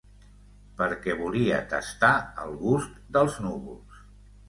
Perquè volia tastar el gust dels núvols.